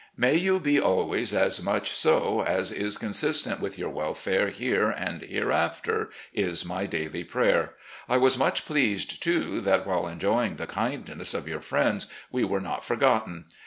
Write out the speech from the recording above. May you be always as much so as is con sistent with your welfare here and hereafter, is my daily prayer. I was much pleased, too, that, while enjoying the kindness of your friends, we were not forgotten.